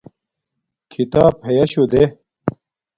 کھیتاپ ہیشو دے